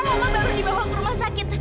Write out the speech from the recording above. sekarang oma baru dibawa ke rumah sakit